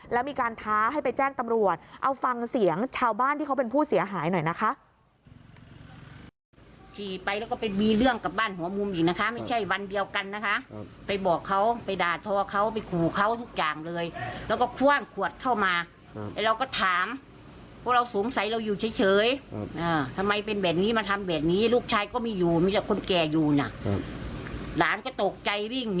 แล้วมีการท้าให้ไปแจ้งตำรวจเอาฟังเสียงชาวบ้านที่เขาเป็นผู้เสียหายหน่อยนะคะ